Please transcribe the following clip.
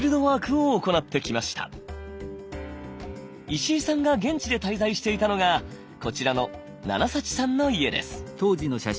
石井さんが現地で滞在していたのがこちらのナナ・サチさんの家です。